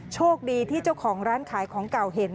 โชคดีที่เจ้าของร้านขายของเก่าเห็น